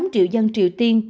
hai mươi tám triệu dân triều tiên